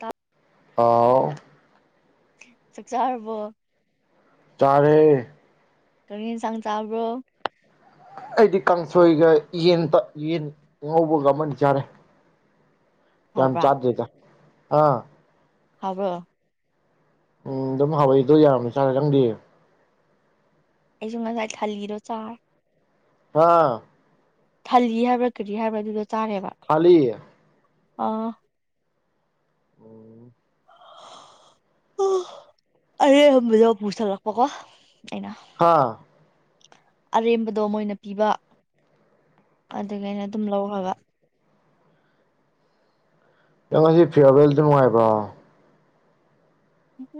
ꯇ ꯑꯥꯎ ꯆꯥꯛꯆꯥꯥꯔꯕꯣ ꯇꯥꯔꯦ ꯀꯔꯤ ꯌꯦꯟꯁꯥꯡ ꯆꯥꯕ꯭ꯔꯣ ꯑꯩꯗꯤ ꯀꯥꯡꯁꯣꯏꯒ ꯌꯦꯟ ꯌꯦꯟ ꯉꯧꯕꯒ ꯑꯃ ꯆꯥꯔꯦ ꯌꯥꯝ ꯍꯥꯎꯕ꯭ꯔꯥ ꯇꯥꯗ꯭ꯔꯦꯗ ꯑꯥ ꯍꯥꯎꯕ꯭ꯔꯣ ꯎꯝ ꯑꯗꯨꯝ ꯍꯥꯎꯏꯗꯣ ꯌꯥꯔꯅꯤ ꯆꯥꯔ ꯅꯩꯗꯦ ꯑꯩꯁꯨ ꯉꯁꯥꯏ ꯊꯜꯂꯤꯔꯣ ꯆꯥꯔ ꯑꯥ ꯐꯜꯂꯤ ꯍꯥꯏꯕ꯭ꯔꯥ ꯀꯔꯤ ꯍꯥꯏꯕ꯭ꯔꯥ ꯑꯗꯨꯗ ꯈꯤ ꯑꯥ ꯎꯝ ꯑꯣ ꯑꯔꯦ ꯍꯗ ꯄꯨꯊꯂꯛꯄ ꯀꯣ ꯑꯩꯅ ꯑꯥ ꯑꯔꯦꯝꯕꯗꯣ ꯃꯣꯏꯅ ꯄꯤꯕ ꯑꯗꯨꯒꯥꯏꯅ ꯑꯗꯨꯝ ꯂꯧꯈꯒ ꯅꯪ ꯉꯁꯤ ꯐꯤꯌꯥꯕꯦꯜꯗ ꯅꯨꯡꯉꯥꯏꯕ꯭ꯔꯣ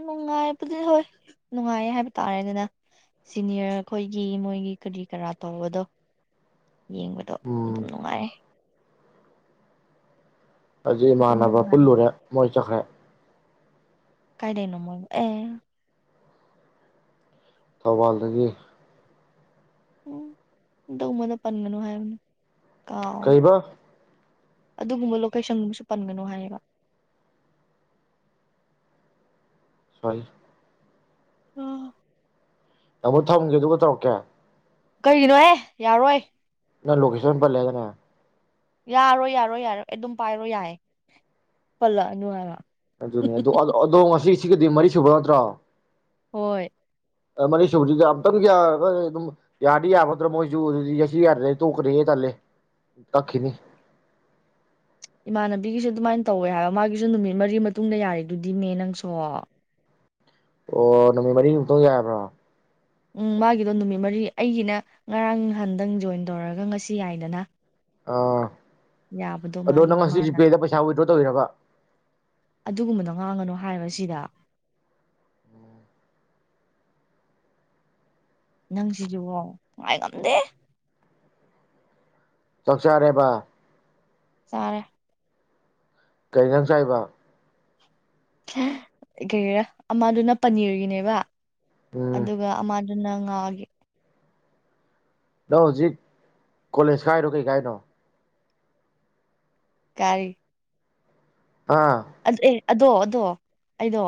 ꯅꯨꯡꯉꯥꯏꯕꯗꯤ ꯍꯣꯏ ꯅꯨꯡꯉꯥꯏꯌꯦ ꯍꯥꯏꯕ ꯇꯥꯔꯦꯗꯅ ꯁꯤꯅꯤꯌꯔ ꯑꯩꯈꯣꯏꯒꯤ ꯃꯣꯏꯒꯤ ꯀꯔꯤ ꯀꯔꯥ ꯇꯧꯕꯗꯣ ꯌꯦꯡꯕꯗꯣ ꯎꯝ ꯑꯗꯨꯝ ꯅꯨꯡꯉꯥꯏ ꯍꯧꯖꯤꯛ ꯑꯗꯨꯝ ꯏꯃꯥꯟꯅꯕ ꯅꯨꯡꯉꯥꯏ ꯄꯨꯜꯂꯨꯔꯦ ꯃꯣꯏ ꯆꯠꯈ꯭ꯔꯦ ꯀꯥꯏꯗꯅꯣꯃꯣꯏ ꯑꯦ ꯊꯧꯕꯥꯜꯗꯒꯤ ꯎꯝ ꯗ ꯎꯃꯗ ꯄꯅꯅ ꯍꯥꯏꯅꯦ ꯀꯩꯕ ꯑꯗꯨꯒꯨꯝꯕ ꯂꯣꯀꯦꯁꯟꯁꯨ ꯄꯟꯒꯅꯨ ꯍꯥꯏꯌꯦꯕ ꯁꯣꯏ ꯇꯥꯃꯣꯛ ꯊꯝꯒꯦ ꯑꯗꯨꯒ ꯇꯧꯔꯛꯀꯦ ꯀꯔꯤꯒꯤꯅꯣꯍ ꯌꯥꯔꯣꯏ ꯅ ꯂꯣꯀꯦꯁꯟ ꯄꯜꯂꯦꯗꯅꯦ ꯌꯥꯔꯣꯏ ꯌꯥꯔꯣꯏ ꯌꯥꯔꯣꯏ ꯑꯗꯨꯝ ꯄꯥꯏꯔꯣ ꯌꯥꯏ ꯄꯜꯂꯛꯑ ꯅꯨꯡꯉꯥꯏꯔ ꯑꯗꯨꯅꯦ ꯑꯗꯨ ꯑꯗꯣ ꯉꯁꯤ ꯁꯤꯒꯗꯤ ꯃꯔꯤ ꯁꯨꯕ ꯅꯠꯇ꯭ꯔꯣ ꯍꯣꯏ ꯃꯅꯤꯁꯨꯕꯖꯤ ꯑꯝꯇꯪ ꯑꯗꯨꯝ ꯌꯥꯗꯤ ꯌꯥꯕꯗ꯭ꯔ ꯃꯁꯗꯤꯁꯤ ꯌꯥꯔ ꯇꯣꯛꯈ꯭ꯔꯦꯦ ꯇꯜꯂꯦ ꯇꯥꯈꯤꯅꯤ ꯏꯃꯥꯟꯅꯕꯤꯒꯤꯁꯨꯦ ꯑꯗꯨꯃꯥꯏꯅ ꯇꯧꯋꯦ ꯍꯥꯏꯕ ꯃꯥꯒꯤꯁꯨ ꯅꯨꯃꯤꯠ ꯃꯔꯤ ꯃꯇꯨꯡꯗ ꯌꯥꯔꯦꯗꯨꯗꯤꯅꯦ ꯅꯪꯁꯨ ꯑꯣ ꯅꯨꯃꯤꯠ ꯃꯔꯤꯃꯛꯇꯪ ꯌꯥꯕ꯭ꯔꯥ ꯎꯝ ꯃꯥꯒꯤꯗꯣ ꯅꯨꯃꯤꯠ ꯃꯔꯤ ꯑꯩꯒꯤꯅ ꯉꯔꯥꯡ ꯅꯍꯥꯟꯗꯪ ꯖꯣꯏꯟ ꯇꯧꯔꯒ ꯉꯁꯤ ꯌꯥꯏꯗꯅ ꯑ ꯌꯥꯕꯗꯣ ꯑꯗꯣ ꯃꯥꯒꯤ ꯅꯪ ꯃꯥꯅ ꯉꯄꯦꯗ ꯄꯩꯁꯥ ꯑꯣꯏꯗ ꯇꯣꯏꯔꯕ ꯑꯗꯨꯒꯨꯝꯕꯗꯣ ꯉꯥꯡꯉꯅꯨ ꯍꯥꯏꯔ ꯁꯤꯗ ꯅꯪ ꯁꯤꯁꯨꯕꯣ ꯅꯨꯡꯉꯥꯏ ꯉꯝꯗꯦ ꯆꯁꯥꯔꯦꯕ ꯇꯔꯦ ꯀꯩ ꯅꯪ ꯆꯥꯏꯕ ꯀꯩꯔꯥ ꯑꯃꯗꯨꯅ ꯄꯅꯤꯔꯒꯤꯅꯦꯕ ꯎꯝ ꯑꯗꯨꯒ ꯑꯃ ꯑꯗꯨ ꯅꯪ ꯉꯥꯍꯟꯒꯤ ꯅꯪ ꯍꯧꯖꯤꯛ ꯀꯣꯂꯦꯖ ꯀꯥꯏꯔꯣ ꯀꯩ ꯀꯥꯏꯅꯣ ꯀꯥꯔꯤ ꯌꯥ ꯑꯗꯣ ꯑꯗꯣ ꯑꯩꯗꯣ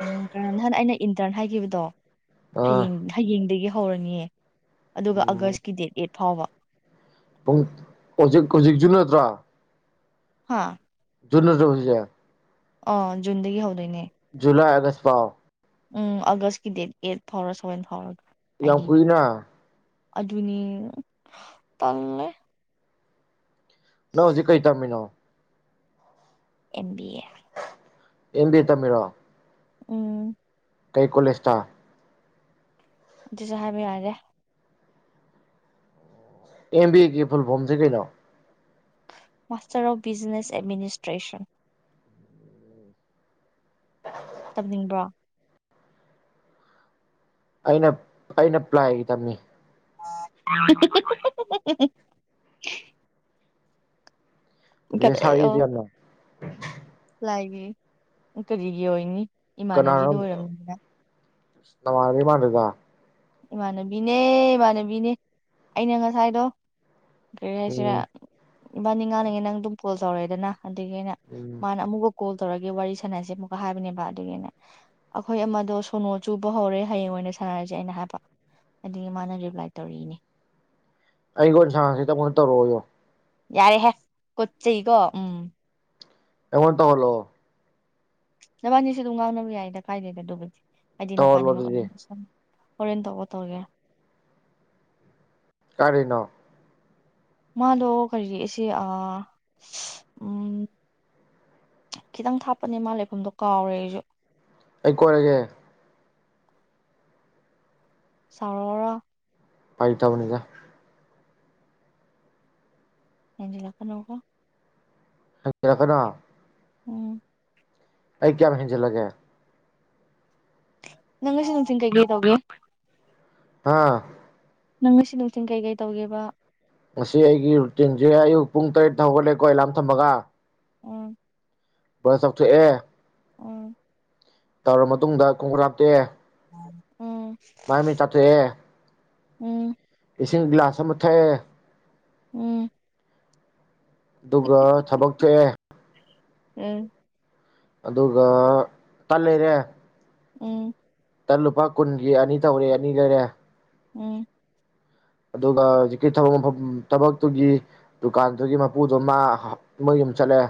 ꯎꯝ ꯀꯩꯍꯥꯏꯅꯤ ꯑꯩꯅ ꯏꯟꯇꯔꯟ ꯍꯥꯏꯈꯤꯕꯗꯣ ꯑꯥ ꯍꯌꯦꯡ ꯍꯌꯦꯡꯗꯒꯤ ꯍꯧꯔꯅꯤꯌꯦ ꯑꯗꯨꯒ ꯎꯝ ꯑꯥꯒꯁꯀꯤ ꯗꯦꯠ ꯑꯦꯠ ꯐꯥꯎꯕ ꯄꯨꯡ ꯍꯧꯖꯤꯛ ꯍꯧꯖꯤꯛ ꯖꯨꯟ ꯅꯠꯇ꯭ꯔꫭ ꯍꯥꯥ ꯖꯨꯜ ꯅꯠꯇ꯭ꯔꫭ ꯍꯧꯖꯤꯛꯁꯦ ꯑꯣ ꯖꯨꯟꯗꯒꯤ ꯍꯧꯗꯣꯏꯅꯦ ꯨꯖꯨꯂꯥꯏ ꯑꯒꯁ ꯄꯥꯎ ꯎꯝ ꯑꯒꯁꯀꯤ ꯗꯦꯠ ꯑꯩꯠ ꯐꯥꯎꯔꯥ ꯁꯚꯦꯟ ꯐꯥꯎꯔꯥ ꯌꯥꯝ ꯀꯨꯏꯅ ꯑꯗꯨꯅꯤ ꯇꯥꯟꯜꯂꯦ ꯅꯪ ꯍꯧꯖꯤꯛ ꯀꯩ ꯇꯝꯃꯤꯅ M B A M B ꯌꯦ ꯇꯝꯄꯤꯔꫭ ꯎꯝ ꯀꯩ ꯀꯣꯂꯦꯏꯁꯇ ꯑꯗꯨꯁꯨ ꯍꯥꯏꯕꯌꯔꯦ ꯑꯦꯝ ꯕꯤ ꯑꯦꯒꯤ ꯐꯨꯜ ꯐꯣꯝꯖꯦ ꯀꯩꯅꯣ ꯃꯥꯥꯁꯇꯔ ꯑꯣꯐ ꯕꯤꯖꯤꯅꯦꯁ ꯑꯦꯗꯃꯤꯅꯤꯁꯇ꯭ꯔꯦꯁꯟ ꯇꯝꯅꯤꯡꯕ꯭ꯔꯣ ꯑꯩꯅ ꯑꯩꯅ ꯄ꯭ꯂꯥꯏꯒꯤ ꯇꯝꯃꯤ [unintelligible] ꯃꯦꯁꯦꯁ ꯑꯣ ꯊꯔꯛꯏꯗꫭ ꯌꯥꯝꯅꯥ ꯂꯥꯏꯒꯤ ꯀꯔꯤꯒꯤ ꯑꯣꯏꯅꯤ ꯏꯃꯥꯟꯅꯒꯤꯗꫭ ꯑꯣꯏꯔꯝꯅꯤꯅꯤꯅ ꯅꯥꯃꯥꯟꯅꯕꯤ ꯃꯟꯗꯦꯗ ꯏꯃꯥꯟꯅꯕꯤꯅꯦ ꯏꯃꯥꯟꯅꯕꯤꯅꯦ ꯑꯩꯅ ꯉꯁꯥꯏꯗꯣ ꯀꯔꯤ ꯌꯥꯏꯁꯤꯔ ꯎꯝ ꯏꯕꯥꯅꯤ ꯉꯥꯡꯅꯤꯡꯉꯦ ꯅꯪ ꯑꯗꯨꯝ ꯀꯣꯜ ꯇꯧꯔꯛꯑꯦꯗꯅ ꯑꯗꯒꯤ ꯑꯩꯅ ꯎꯝ ꯃꯥꯅ ꯑꯃꯨꯛꯒ ꯀꯣꯜ ꯇꯧꯔꯛꯀꯦ ꯋꯥꯔꯤ ꯁꯥꯟꯅꯁꯦ ꯑꯃꯨꯛꯀ ꯍꯥꯏꯕꯅꯦꯕ ꯑꯗꯨꯒꯤ ꯑꯩꯅ ꯑꯩꯈꯣꯏ ꯑꯃꯗꯣ ꯁꯣꯅꯣ ꯆꯨꯕ ꯍꯧꯔꯦ ꯍꯌꯦꯡ ꯑꯣꯏꯅ ꯁꯥꯟꯅꯔꯁꯦ ꯑꯩꯅ ꯍꯥꯏꯕ ꯑꯗꯨꯗꯒꯤ ꯃꯥꯅ ꯔꯤꯄ꯭ꯂꯥꯏ ꯇꯧꯔꯛꯏꯅꯦ ꯑꯩꯒ ꯑꯣꯏꯅ ꯁꯥꯡꯅꯖꯦ [unintelligible] ꯇꯧꯔꯛꯑꯣ ꯌꯣ ꯌꯥꯔꯦꯍꯦ ꯀꯣꯠ ꯆꯩꯩꯀꯣ ꯎꯝ ꯑꯩꯃꯣꯟ ꯇ ꯍꯜꯂꯣ ꯕꯥꯅꯤꯁ ꯑꯗꯨꯝ ꯉꯥꯎꯅꯕ ꯌꯥꯏꯗ ꯀꯥꯏꯗꯦꯗ ꯑꯗꯨꯕꯨꯗꯤ ꯑ ꯇꯧꯍꯜꯂꯣ ꯅꯄꯥꯅꯤꯃꯛ ꯑꯗꯨꯗꯤ ꯍꯣꯔꯦꯟ ꯇ ꯀ ꯇꯔꯒ ꯀꯥꯔꯤꯅ ꯃꯥꯗꯣ ꯀꯔꯤꯔꯤꯁꯤꯦ ꯎ ꯈꯤꯇꯪ ꯊꯥꯞꯄꯅꯦ ꯃꯥ ꯂꯩꯐꯝꯗꯣ ꯀꯥꯎꯔꯦ ꯑꯩꯁꯨ ꯑꯩ ꯀꯣꯏꯔꯒꯦ ꯆꯥꯎꯥꯎꯔ ꯄꯥꯏ ꯇꯕꯅꯤꯒ ꯑꯦꯖ ꯂꯄꯥ ꯅꯣꯀꯣ ꯔ ꯀꯅꯥ ꯎꯝ ꯑꯩ ꯀꯌꯥ ꯃꯖꯂꯒꯦ ꯅꯪꯁꯤ ꯅꯁꯤꯤꯡ ꯀꯥꯏꯒꯤꯦ ꯇꯧꯦ ꯑꯥ ꯅꯪ ꯉꯁꯤ ꯅꯨꯡꯊꯤꯟ ꯀꯩꯀꯩ ꯇꯧꯒꯦꯕ ꯉꯁꯤ ꯑꯩꯒꯤ ꯔꯨꯇꯤꯟꯁꯦ ꯑꯌꯨꯛ ꯄꯨꯡ ꯇꯔꯦꯠꯇ ꯍꯧꯒꯠꯂꯦꯀꯣ ꯑꯦꯂꯥꯝ ꯊꯝꯃꯒ ꯎ ꯊ ꯑꯦ ꯑꯣ ꯇꯧꯔ ꯃꯇꯨꯡꯗ ꯈꯣꯡꯀ ꯍꯥꯞꯇꯦ ꯃꯥꯏꯃꯤ ꯆꯠꯇꯑꯦ ꯎꯝ ꯏꯁꯤꯡ ꯒꯤ꯭ꯂꯥꯁ ꯑꯃ ꯊꯑ ꯎꯝ ꯑꯗꯨꯒ ꯊꯕꯛ ꯊꯣꯛꯑꯦ ꯎꯝ ꯑꯗꯨꯒ ꯇꯥꯟ ꯂꯩꯔꯦ ꯎꯝ ꯇ ꯂꯨꯄꯥ ꯀꯨꯟꯒꯤ ꯑꯅꯤ ꯇꯧꯔꯦ ꯑꯅꯤ ꯂꯩꯔꯦ ꯎꯝ ꯑꯗꯨꯒ ꯍꯧꯖꯤꯛꯀꯤ ꯊꯕꯛ ꯃꯐꯝ ꯊꯕꯛꯇꯨꯒꯤ ꯗꯨꯀꯥꯟꯗꯨꯒꯤ ꯃꯄꯨꯗꯣ ꯃꯥ ꯃꯣꯏ ꯌꯨꯝ ꯆꯠꯂꯦ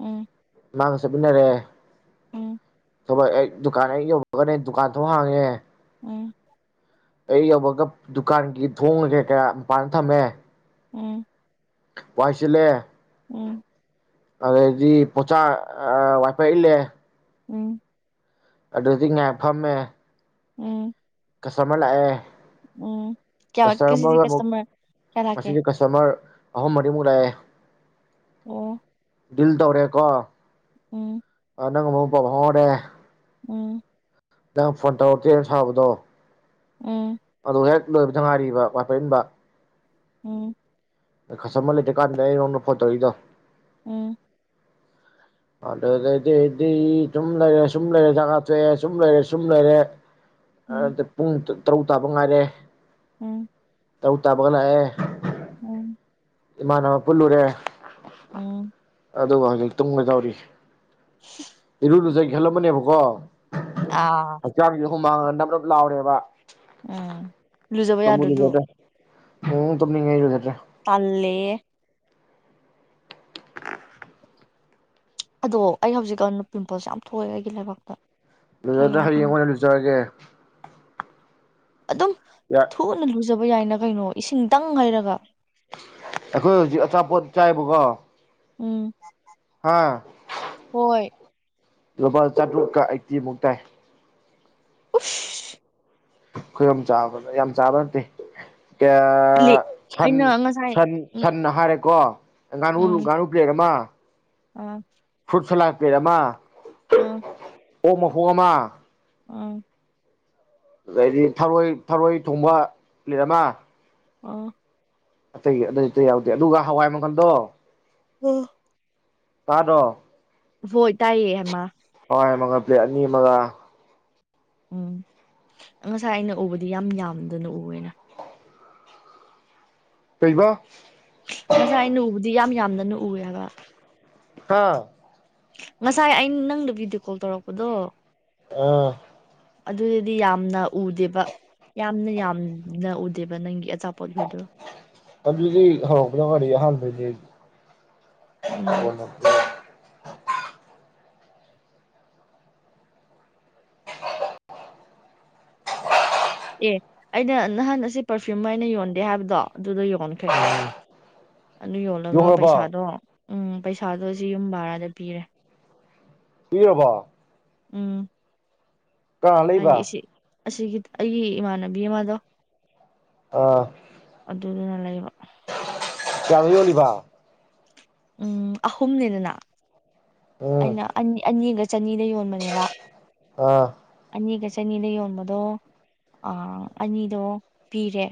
ꯎꯝ ꯃꯥꯥꯡꯒ ꯆꯠꯃꯤꯟꯅꯔꯦ ꯎꯝ ꯊꯕꯛꯣꯏ ꯑꯩ ꯗꯨꯀꯥꯟ ꯑꯩ ꯌꯧꯕꯔꯒꯅꯦ ꯗꯨꯀꯥꯟ ꯊꯣꯛ ꯍꯥꯡꯉꯦ ꯎꯝ ꯑꯩ ꯌꯧꯕꯒ ꯗꯨꯀꯥꯟꯒꯤ ꯊꯣꯡꯅꯒꯦ ꯀꯌꯥ ꯃꯄꯥꯟꯅ ꯊꯝꯃꯦ ꯎꯝ ꯄꯥꯏꯁꯤꯦ ꯎꯝ ꯑꯗꯗꯤ ꯄꯣꯆꯥ ꯋꯥꯏꯄ ꯏꯂꯦ ꯎꯝ ꯑꯗꯨꯗꯤ ꯉꯥꯏ ꯐꯝꯃꯦ ꯎꯝ ꯀꯁꯃ ꯂꯥꯛꯑꯦ ꯎꯝ ꯀꯌꯥ ꯀꯁꯤ ꯀꯁꯇꯃꯔ ꯀꯌꯥ ꯊꯥꯀꯦ ꯑꯍꯣ ꯃꯔꯤꯃꯨꯂꯦ ꯑꯣ ꯗꯤꯜ ꯇꯧꯔꯦꯀꯣ ꯎꯝ ꯟꯅ ꯃ ꯄ ꯐꯔꯦ ꯎꯝ ꯅꯪ ꯐꯣꯟꯇꯧꯔꯛꯇꯦꯅ ꯁꯥꯎꯕꯗꯣ ꯎꯝ ꯑꯗꯨ ꯍꯦꯛ ꯂꯣꯏꯕꯗ ꯉꯥꯏꯔꯤꯕ ꯄ [unintelligible] ꯏꯟꯕ ꯎꯝ ꯀꯁꯇꯃꯔ ꯂꯩꯇ꯭ꯔꯤ ꯀꯥꯟꯗꯅꯤ ꯑꯩꯉꯣꯟꯗ ꯐꯣꯟ ꯇꯧꯔꯛꯢꯗꯨ ꯎꯝ ꯑꯗꯨꯗꯩꯗꯤꯗꯤ ꯁꯨꯝ ꯂꯩꯔꯦ ꯁꯨꯝ ꯂꯩꯔꯦ ꯍꯤꯗꯥꯛ ꯀꯥꯞꯊꯣꯛꯑꯦ ꯁꯨꯝ ꯂꯩꯔꯦ ꯁꯨꯝ ꯂꯩꯔꯦ ꯑꯗꯨꯗ ꯄꯨꯨꯡ ꯇ ꯇꯔꯨꯛ ꯇꯥꯕ ꯉꯥꯏꯔꯦ ꯎꯝ ꯇꯥꯔꯨꯛ ꯇꯥꯕꯒ ꯂꯛꯑꯦ ꯎꯝ ꯏꯃꯥꯟꯅꯕ ꯄꯨꯜꯂꯨꯔꯦ ꯎꯝ ꯑꯗꯨꯒ ꯍꯧꯖꯤꯛ ꯇꯨꯝꯒꯦ ꯇꯧꯔꯤ ꯏꯔꯨ ꯂꯨꯖ ꯍꯦꯜꯂꯝꯃꯅꯦꯕꯀꯣ ꯑꯥ ꯍꯨꯃꯥꯡ ꯅꯞ ꯅꯞ ꯂꯥꯎꯔꯦꯕ ꯎꯝ ꯂꯨꯖꯕ ꯇꯨꯝꯕꯨ ꯌꯥꯗ꯭ꯔꯗꯨ ꯂꯨꯖꯗ꯭ꯔꯦ ꯎꯝ ꯇꯨꯝꯅꯤꯡꯉꯦ ꯂꯨꯖꯗ꯭ꯔꯦ ꯇꯜꯂꯤꯌꯦ ꯑꯗꯣ ꯑꯩ ꯍꯧꯖꯤꯛꯀꯥꯟ ꯄꯤꯝꯄꯜꯁ ꯌꯥꯝ ꯊꯣꯛꯑꯦ ꯑꯩꯒꯤ ꯂꯩꯕꯥꯛꯇ ꯂꯨꯖꯗ꯭ꯔꯥ ꯀꯩꯒꯤꯔꯥ ꯍꯌꯦꯡ ꯈꯪꯗꯦ ꯑꯣꯏꯅ ꯂꯨꯖꯔꯑꯒꯦ ꯑꯗꯨꯝ ꯊꯨꯅ ꯂꯨ ꯂꯨꯖꯕ ꯌꯥꯏꯅ ꯀꯩꯅꯣ ꯏꯁꯤꯡꯇꯪ ꯍꯩꯔꯒ ꯑꯩꯈꯣꯏ ꯍꯧꯖꯤꯛ ꯑꯆꯥꯄꯣꯠ ꯆꯥꯏꯕꯀꯣ ꯎꯝ ꯍꯥꯥ ꯍꯣꯏ ꯂꯨꯄꯥ ꯆꯥꯇ꯭ꯔꯨꯛꯀ ꯑꯥꯢꯠꯇꯤꯃꯨꯛ ꯇꯥꯏ ꯎꯨꯁ ꯑꯩꯈꯣꯏ ꯑꯍꯨꯝ ꯆꯥꯕ ꯌꯥꯝ ꯆꯥꯕ ꯅꯠꯇꯦ ꯀꯥꯌꯥ ꯂꯤ ꯁꯟ ꯑꯩꯅ ꯉꯁꯥꯏ ꯁꯟ ꯎꯝ ꯁꯟ ꯍꯥꯏꯔꯦꯀꯣ ꯉꯥꯅꯨ ꯎꯝ ꯉꯥꯅꯨ ꯄꯂꯦꯠ ꯑꯃ ꯑꯥ ꯁꯂꯥꯛ ꯄꯂꯦꯠ ꯑꯃ ꯎꯝ ꯑꯣꯛ ꯃꯈꯣꯡ ꯑꯃ ꯑ ꯑꯗꯩꯗꯤ ꯊꯔꯣꯏ ꯊꯔꯣꯏ ꯊꯣꯡꯕ ꯂꯩꯔꯃ ꯑꯣ ꯑꯇꯩ ꯑꯇꯩ ꯑꯇꯩ ꯌꯥꯎꯗꯦ ꯑꯗꯨꯒ ꯍꯋꯥꯏ ꯃꯒꯜꯗꯣ ꯍ ꯇꯥꯗꯣ ꯍ ꯇꯏꯌꯦꯃ ꯥꯏ ꯑꯃꯒ ꯄ꯭ꯂꯦꯠ ꯑꯅꯤ ꯑꯃꯒ ꯎꯝ ꯉꯁꯥꯏ ꯑꯩꯅ ꯎꯕꯗꯤ ꯌꯥꯝ ꯌꯥꯝꯗꯅ ꯎꯋꯦꯅ ꯀꯩꯕ ꯃꯁꯥꯅꯅꯨꯡꯕꯗꯤ ꯌꯥꯝ ꯃ ꯌꯥ ꯃꯗꯅ ꯎꯌꯥꯒ ꯍꯥꯥ ꯉꯁꯥꯏ ꯑꯩꯅ ꯅꯪꯗ ꯚꯕꯤꯗꯤꯑꯣ ꯀꯣꯜ ꯇꯧꯔꯛꯄꯗꯣ ꯑꯥ ꯑꯗꯨꯗꯤ ꯌꯥꯝꯅ ꯎꯗꯦꯕ ꯌꯥꯝꯅ ꯌꯥꯝꯅ ꯎꯗꯦꯕ ꯅꯪꯒꯤ ꯑꯆꯥꯄꯣꯠꯈꯣꯏꯗꯣ ꯄꯕꯤ ꯍꯧꯒꯗ ꯍꯜ ꯍꯅ ꯎꯝ ꯑꯦ ꯑꯩꯅ ꯅꯍꯥꯟ ꯑꯁꯤ ꯄꯔꯐ꯭ꯌꯨꯝ ꯍꯥꯏꯅ ꯌꯣꯟꯗꯦ ꯍꯥꯏꯕꯗꯣ ꯑꯗꯨꯗ ꯌꯣꯟꯈ꯭ꯔꯦ ꯑꯗꯨ ꯌꯣꯜꯂꯒ ꯌꯣꯡꯉꯕꯣ ꯄꯩꯁꯥꯗꯣ ꯎꯝ ꯄꯩꯁꯥ ꯊꯥꯗꯣꯁꯤ ꯌꯨꯝ ꯕꯥꯔꯥꯗ ꯄꯤꯔꯦ ꯇꯏꯔꯕꯔꯕ ꯎꯝ ꯀ ꯍꯥꯏꯗꯤ ꯂꯩꯕ ꯑꯁꯤ ꯑꯁꯤꯒꯤ ꯑꯩꯒꯤ ꯏꯃꯥꯟꯅꯕꯤ ꯑꯃꯗꯣ ꯑꯥ ꯑꯗꯨ ꯑꯗꯨ ꯂꯩꯔꯣ ꯀ ꯑꯣꯏꯂꯤꯚ ꯎꯝ ꯑꯍꯨꯝꯅꯤꯗꯅ ꯎꯝ ꯑꯩꯅ ꯑ ꯑꯅꯤꯒꯁ ꯆꯅꯤꯗ ꯌꯣꯟꯕꯅꯦꯕ ꯑ ꯑꯅꯤꯒ ꯆꯅꯤꯗ ꯌꯣꯟꯕꯗꯣ ꯑꯅꯤꯗꯣ ꯄꯤꯔꯦ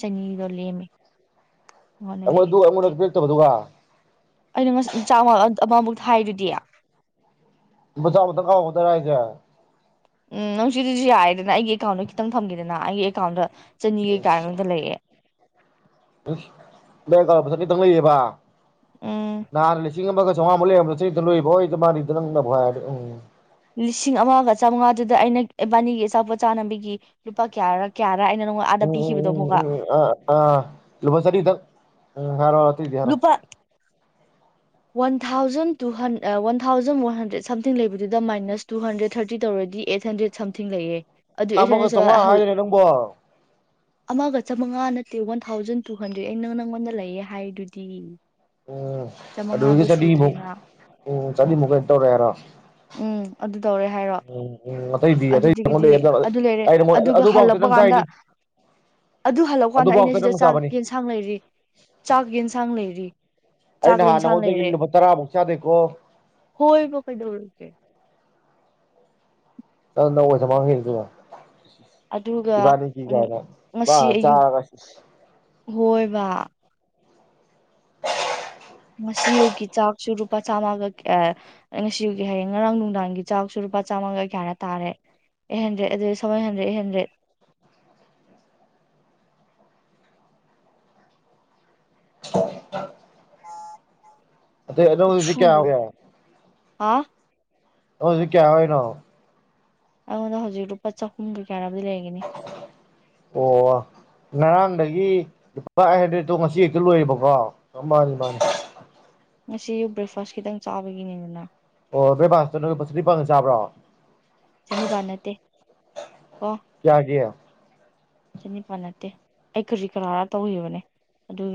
ꯆꯅꯤꯗꯣ ꯂꯦꯝꯃꯦ ꯑꯩꯉꯣꯟꯗ ꯑꯩꯉ ꯂꯩꯑꯦ ꯑꯗꯨ ꯑꯗꯨꯕꯨꯗꯤ ꯑꯩꯉꯗ ꯄꯤꯔꯛꯇꯕꯗꯨ ꯑꯩꯅ ꯉ ꯆꯉ ꯑꯃꯃꯨꯛꯇ ꯍꯥꯏꯔꯨꯗꯤ ꯁꯥꯗ ꯀꯥꯎꯗꯔ ꯍꯥꯏꯁꯦ ꯎꯝ ꯅꯨꯡꯁꯤꯗꯨꯁꯨ ꯌꯥꯏꯑꯦꯗꯅ ꯑꯩꯒꯤ ꯑꯦꯀꯥꯎꯟꯗ ꯈꯤꯇꯪ ꯊꯝꯈꯤꯗꯅ ꯑꯩꯒꯤ ꯑꯦꯀꯥꯎꯟꯗ ꯆꯅꯤ ꯀꯩꯀꯥ ꯉꯥꯛꯇ ꯂꯩꯑꯦ [unintelligible] ꯑꯅꯤꯇꯪ ꯂꯩꯌꯦꯕ ꯎꯝ ꯅꯥꯍꯜ ꯂꯤꯁꯤꯡ ꯑꯃꯒ ꯆꯥꯑꯣꯉꯃꯨꯛ ꯂꯩꯔꯝꯕꯗꯨ ꯆꯦꯛ ꯆꯥꯂꯨꯏ ꯅꯣꯏꯗꯥ ꯃꯥꯅꯤꯗ ꯅꯡꯅ ꯑꯃꯨꯛ ꯍꯥꯏꯔꯗꯤ ꯎꯝ ꯂꯤꯁꯤꯡ ꯑꯃꯒ ꯆꯥꯃꯉꯥꯗꯨꯗ ꯑꯩꯅ ꯏꯕꯥꯅꯤꯒꯤ ꯑꯆꯥꯄꯣꯠ ꯆꯥꯟꯅꯕꯤꯒꯤ ꯂꯨꯄꯥ ꯀꯌꯥꯔ ꯀꯌꯥ ꯎꯝ ꯎꯝ ꯎꯝ ꯎꯝ ꯑ ꯑ ꯂꯨꯄ ꯁꯅꯤꯗ ꯎꯝ ꯍꯥꯏꯔꯣ ꯑꯇꯩꯗꯤ ꯍꯥꯏꯔꯣ ꯅꯨꯨꯄꯥ one thousand two one thousand one hundred something ꯂꯩꯕꯗꯨꯗ ꯃꯥꯏꯅꯁ ꯇꯨ ꯍꯟꯗ꯭ꯔꯦꯗ ꯊꯥꯔꯇꯤ ꯇꯧꯔꯗꯤ ꯑꯩꯠ ꯍꯟꯗ꯭ꯔꯦꯗ ꯁꯝꯊꯤꯡ ꯂꯩꯌꯦ ꯑꯗꯨ ꯑꯩꯠ ꯑꯃꯒ ꯆꯉ ꯍꯟꯗ꯭ꯔꯦꯗ ꯍꯥꯏꯔ ꯅꯡꯕꯣ ꯑꯃꯒ ꯆꯃꯉꯥ ꯅꯠꯇꯦ ꯋꯥꯟ ꯊꯥꯎꯖꯟ ꯇꯨ ꯍꯟꯗ꯭ꯔꯦꯗ ꯑꯩ ꯅꯪ ꯅꯪꯉꯣꯟꯗ ꯂꯩꯌꯦ ꯍꯥꯏꯔꯤꯗꯨꯗꯤ ꯎꯝ ꯎꯝ ꯑꯗꯨꯗꯩ ꯆꯥꯅꯤꯃꯨꯛ ꯆꯥꯅꯤꯃꯨꯛ ꯀꯩꯅꯣ ꯇꯧꯔꯦ ꯍꯥꯏꯔꯣ ꯇꯔꯦ ꯍꯥꯏꯔꯣ ꯎꯝ ꯎꯝ ꯑꯇꯩꯗꯤ ꯑꯇꯩ ꯅꯉꯣꯟꯗꯩ ꯑꯝꯇ ꯑꯗꯨ ꯂꯩꯔꯦ ꯑꯩ ꯅꯉꯣꯟꯗ ꯑꯗꯨꯒ ꯑꯗꯨꯐꯥꯎꯇ ꯍꯂꯛꯄ ꯅꯪ ꯀꯥꯟꯗ ꯆꯥꯏꯅꯤ ꯑꯗꯨ ꯍꯜꯂꯛꯄ ꯀꯥꯟꯗ ꯑꯩꯅ ꯑꯗꯨꯐꯥꯎꯇ ꯁꯤꯗ ꯅꯪ ꯆꯥꯛ ꯆꯥꯕꯅꯤ ꯌꯦꯟꯁꯥꯡ ꯂꯩꯔꯤ ꯆꯥꯛ ꯌꯦꯟ ꯂꯩꯔꯤ ꯑꯩ ꯆꯥꯛ ꯅꯍꯥꯟ ꯏꯦꯟꯁꯥꯡ ꯅꯉꯣꯟꯗꯒꯤ ꯂꯩꯔꯦ ꯂꯨꯄꯥ ꯇꯔꯥꯃꯨꯛ ꯆꯥꯗꯦꯀꯣ ꯍꯣꯏꯕ ꯀꯩꯗꯧꯔꯒꯦ ꯅꯡ ꯅꯧ ꯃꯥꯇꯝ ꯃꯪꯍꯂꯤꯁꯤ ꯀꯩꯅꯣ ꯑꯗꯨꯒ ꯏꯕꯥꯅꯤ ꯀꯤ ꯎꯝ [unintelligible] ꯕ ꯆꯥꯔ꯭ꯒ ꯍꯣꯏꯕꯥ ꯉꯁꯤ ꯑꯌꯨꯀꯤ ꯆꯥꯛꯁꯨ ꯂꯨꯄꯥ ꯆꯥꯝꯃꯥꯒ ꯉꯁꯤꯌꯨꯀꯤ ꯍꯌꯦꯡ ꯉꯔꯥꯡ ꯅꯨꯡꯗꯥꯡꯒꯤ ꯆꯥꯛꯁꯨ ꯂꯨꯄꯥ ꯆꯥꯝꯃꯥꯒ ꯀꯌꯥ ꯍꯥꯏꯅ ꯇꯥꯔꯦ ꯑꯩꯠ ꯍꯟꯗ꯭ꯔꯦꯠ ꯑꯗꯨ ꯁꯥꯕꯦꯟ ꯍꯟꯗ꯭ꯔꯦꯠ ꯑꯇ ꯍꯦꯟꯗ꯭ꯔꯦꯠ [unintelligible] ꯑꯇꯩ ꯑꯗꯣ ꯍꯧꯖꯤꯛ ꯀꯌꯥ ꯀꯌꯥ ꯑꯥ ꯍꯧꯖꯤꯛ ꯀꯌꯥ ꯍꯥꯏꯌꯅꯣ ꯑꯩꯉꯣꯟꯗ ꯍꯧꯖꯤꯛ ꯔꯨꯄꯥ ꯆ ꯍꯨꯝ ꯑꯣ ꯉꯥꯔꯥꯪꯗꯒꯤ ꯂꯨꯄꯥ ꯑꯩ ꯍꯟꯗ꯭ꯔꯦꯠꯇꯣ ꯉꯁꯤ ꯍꯦꯛꯇ ꯂꯣꯏꯦꯕꯀꯣ ꯃꯥꯅꯤ ꯃꯥꯅꯤ ꯉꯁꯤ ꯕ꯭ꯔꯦꯛꯐꯥꯁ ꯈꯤꯇꯪ ꯆꯥꯕꯒꯤꯅꯤꯗꯅ ꯑꯣ ꯕꯔ꯭ꯦꯛ ꯐꯥꯁꯇꯨ ꯅꯡ ꯂꯨꯄ ꯆꯅꯤꯄꯟꯒꯤ ꯆꯥꯕ꯭ꯔꯣ ꯆꯅꯤꯄꯥꯥꯟ ꯅꯠꯇꯦ ꯀꯌꯥꯒꯤ ꯆꯅꯤꯄꯥꯥꯟ ꯅꯠꯇꯦ ꯑꯩ ꯀꯔꯤ ꯀꯔꯥꯔ ꯇꯧꯈꯤꯕꯅꯤ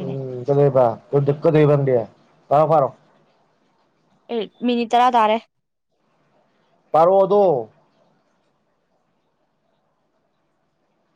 ꯎꯝ ꯀꯂꯩꯕ ꯀꯩꯗꯧꯔꯤꯕ ꯅꯥꯪꯗꯤ ꯇꯔꯣ ꯐꯔꯣ ꯑꯦ ꯃꯤꯅꯤꯠ ꯇꯔꯥ ꯇꯥꯔꯦ ꯄꯥꯔꯣ ꯑꯥꯗꯣ